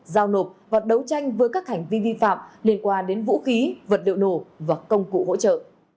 giao nộp và đấu tranh với các hành vi vi phạm liên quan đến vũ khí vật liệu nổ và công cụ hỗ trợ